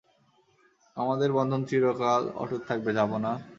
আমাদের বন্ধন চিরকাল অটুট থাকবে, জাহাঁপনা।